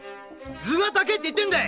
頭が高いって言ってんだ！